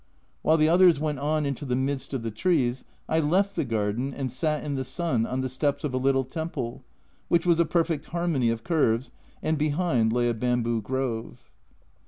While the others went on into the midst of the trees, I left the garden and sat in the sun on the steps of a little temple, which was a perfect harmony of curves, and behind lay a bamboo grove.